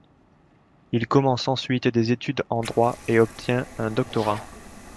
Il commence ensuite des études en droit et obtient un doctorat.